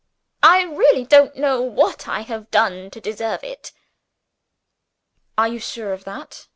I really don't know what I have done to deserve it." "Are you sure of that?"